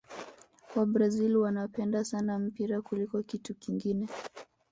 wabrazil wanapenda sana mpira kuliko kitu kingine